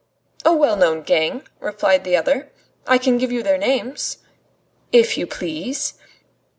"A well known gang," replied the other. "I can give you their names." "If you please."